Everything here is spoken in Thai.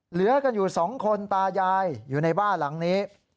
เหลือกันอยู่๒คนตายายอยู่ในบ้านหลังนี้